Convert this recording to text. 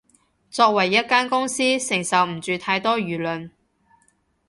作為一間公司，承受唔住太多輿論